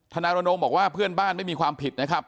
นายรณรงค์บอกว่าเพื่อนบ้านไม่มีความผิดนะครับ